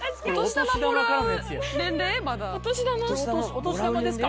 お年玉ですか？